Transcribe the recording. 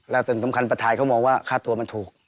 และสำคัญประทายเขามองว่าค่าตัวมันถูก